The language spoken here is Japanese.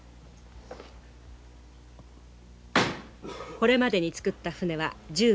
これまでに作った舟は１５隻。